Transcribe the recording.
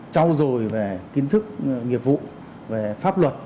trao dồi về kiến thức nghiệp vụ về pháp luật